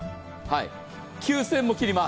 ９０００円も切ります。